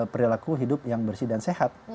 perilaku hidup yang bersih dan sehat